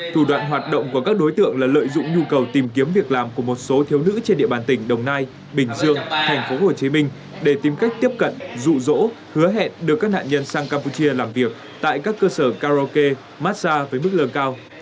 thủ đoạn hoạt động của các đối tượng là lợi dụng nhu cầu tìm kiếm việc làm của một số thiếu nữ trên địa bàn tỉnh đồng nai bình dương thành phố hồ chí minh để tìm cách tiếp cận dụ dỗ hứa hẹn đưa các nạn nhân sang campuchia làm việc tại các cơ sở karaoke massage với mức lờ cao